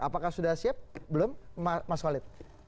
apakah sudah siap belum mas khalid